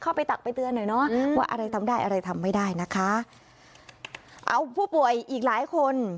ว่าอะไรทำได้อะไรทำไม่ได้นะคะเอ้าผู้ป่วยอีกหลายคน